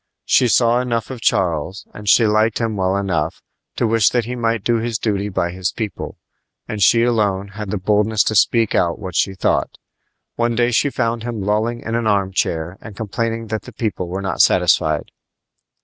She saw enough of Charles, and she liked him well enough, to wish that he might do his duty by his people; and she alone had the boldness to speak out what she thought. One day she found him lolling in an arm chair and complaining that the people were not satisfied.